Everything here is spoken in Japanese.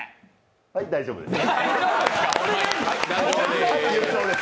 はい、大丈夫です。